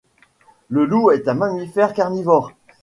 Le loup est un mammifère carnivore